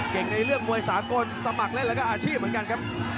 เก่งในเรื่องมวยสามารถสมัครและอาชีพเหมือนกันครับ